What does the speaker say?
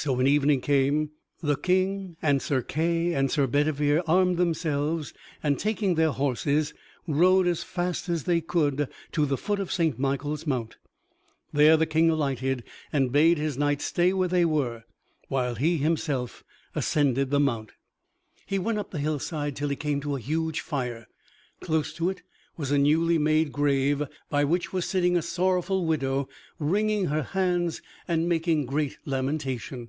So when evening came, the King, and Sir Kay, and Sir Bedivere armed themselves, and taking their horses, rode as fast as they could to the foot of St. Michael's Mount. There the King alighted and bade his knights stay where they were, while he himself ascended the mount. He went up the hillside till he came to a huge fire. Close to it was a newly made grave, by which was sitting a sorrowful widow wringing her hands and making great lamentation.